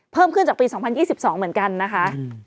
เพิ่มขึ้นจากปี๒๐๒๒เหมือนกันนะคะ